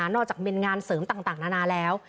จากเป็นงานเสริมต่างนานาแล้ว